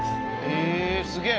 へえすげえ。